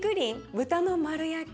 豚の丸焼き。